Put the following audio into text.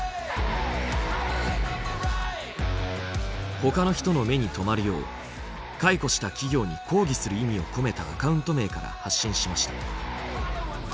ほかの人の目に留まるよう解雇した企業に抗議する意味を込めたアカウント名から発信しました。